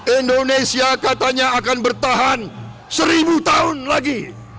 indonesia katanya akan bertahan seribu tahun lagi